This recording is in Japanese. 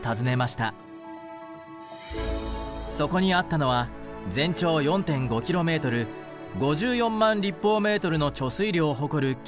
そこにあったのは全長４．５キロメートル５４万立方メートルの貯水量を誇る巨大な調整池。